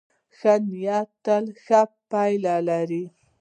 ښه نیت تل ښې پایلې لري.